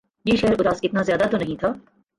یہ شہر اداس اتنا زیادہ تو نہیں تھا